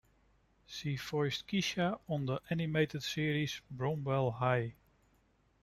She voiced Keisha on the animated series "Bromwell High".